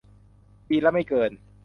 ปีละไม่เกิน